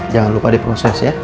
jangan lupa diproses ya